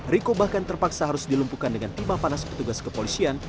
riko bahkan terpaksa harus dilumpuhkan dengan timah panas petugas kepolisian